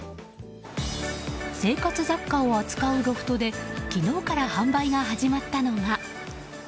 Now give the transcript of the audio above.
生活雑貨を扱うロフトで昨日から販売が始まったのが。